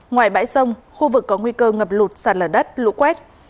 ngoài bãi sông khu vực có nguy cơ ngập lụt sạt lở đất lũ quét